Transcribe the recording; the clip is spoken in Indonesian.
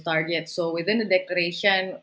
target mereka jadi dalam deklarasi ini